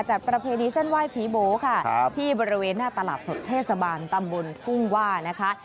ประเพณีเส้นไหว้ผีโบค่ะที่บริเวณหน้าตลาดสดเทศบาลตำบลทุ่งว่านะคะ